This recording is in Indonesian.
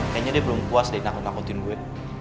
kayaknya dia belum puas deh nangkut nangkutin gue